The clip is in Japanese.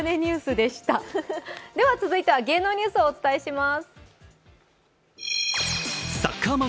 続いては芸能ニュースをお伝えします。